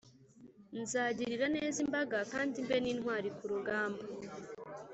nzagirira neza imbaga kandi mbe n’intwari ku rugamba.